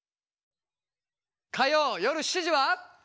火曜夜７時は。